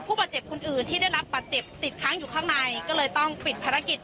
ผู้บาดเจ็บคนอื่นที่ได้รับบาดเจ็บติดค้างอยู่ข้างในก็เลยต้องปิดภารกิจ